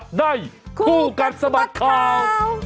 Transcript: คู่กันสมัครข่าวคู่กันสมัครข่าว